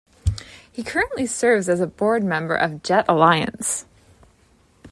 He currently serves as board member of Jetalliance.